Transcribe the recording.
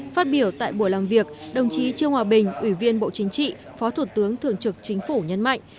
phát biểu tại buổi làm việc đồng chí trương hòa bình ủy viên bộ chính trị phó thủ tướng thường trực chính phủ nhấn mạnh